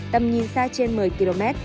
tầm nhìn xa trên một mươi km